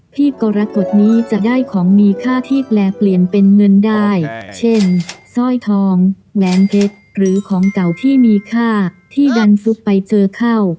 กรกฎนี้จะได้ของมีค่าที่แปลเปลี่ยนเป็นเงินได้เช่นสร้อยทองแหวนเพชรหรือของเก่าที่มีค่าที่ดันซุกไปเจอเข้า